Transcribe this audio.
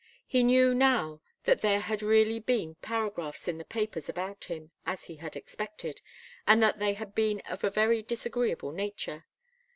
He knew, now, that there had really been paragraphs in the papers about him, as he had expected, and that they had been of a very disagreeable nature.